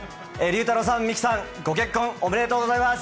りゅうたろうさん、みきさん、ご結婚、おめでとうございます。